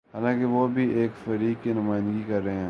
حالانکہ وہ بھی ایک فریق کی نمائندگی کر رہے ہیں۔